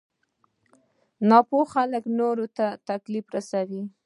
ناپوه خلک نورو ته تکليف رسوي.